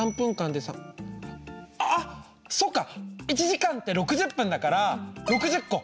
１時間って６０分だから６０個！